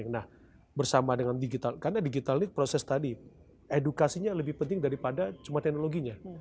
nah bersama dengan digital karena digital ini proses tadi edukasinya lebih penting daripada cuma teknologinya